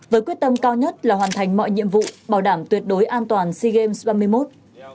với quyết tâm cao nhất là hoàn thành mọi nhiệm vụ bảo đảm tuyệt đối an toàn sea games ba mươi một